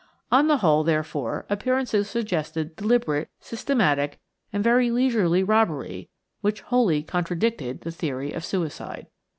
On the whole, therefore, appearances suggested deliberate, systematic, and very leisurely robbery, which wholly contradicted the theory of suicide.